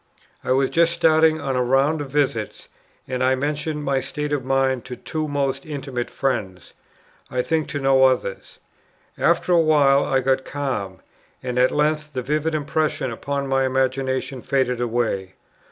I was just starting on a round of visits; and I mentioned my state of mind to two most intimate friends: I think to no others. After a while, I got calm, and at length the vivid impression upon my imagination faded away.